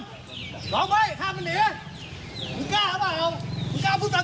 ซื้อของกินในเวลากลางคืนตั้งหมูย่างกินในกลางคืน